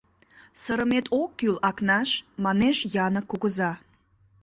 — Сырымет ок кӱл, Акнаш! — манеш Янык кугыза.